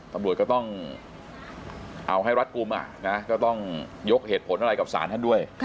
ตำรวจก็ต้องเอาให้รัฐกลุ่มก็ต้องยกเหตุผลอะไรกับสารท่านด้วย